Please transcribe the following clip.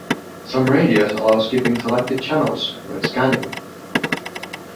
Some radios allow skipping selected channels when scanning.